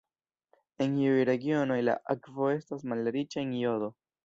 En iuj regionoj la akvo estas malriĉa en jodo.